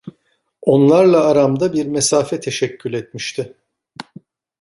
Onlarla aramda bir mesafe teşekkül etmişti.